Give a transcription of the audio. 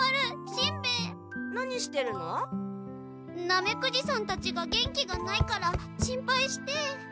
ナメクジさんたちが元気がないから心配して。